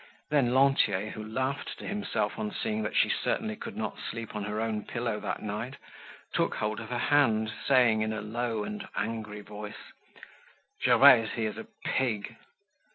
Then, Lantier, who laughed to himself on seeing that she certainly could not sleep on her own pillow that night, took hold of her hand, saying, in a low and angry voice: "Gervaise, he is a pig."